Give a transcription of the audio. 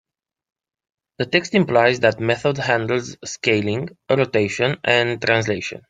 The text implies that method handles scaling, rotation, and translation.